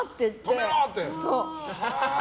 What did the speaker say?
止めろ！って。